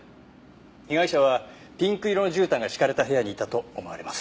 被害者はピンク色の絨毯が敷かれた部屋にいたと思われます。